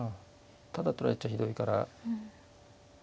ただ取られちゃひどいから。